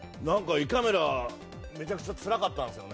胃カメラ、めちゃくちゃつらかったんですよね